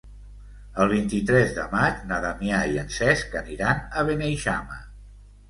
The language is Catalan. El vint-i-tres de maig na Damià i en Cesc aniran a Beneixama.